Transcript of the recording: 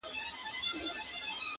چي یې پاڼي کړو پرواز لره وزري,